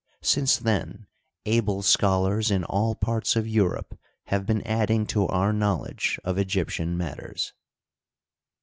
Since then able scholars in all parts of Europe have been adding to our knowledge of Egyptian matters.